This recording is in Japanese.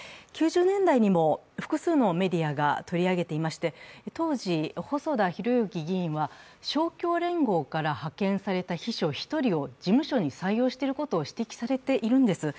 ９０年代にも複数のメディアが取り上げていまして、当時、細田博之議員は勝共連合から派遣された秘書１人を事務所に採用していることを指摘されているんです。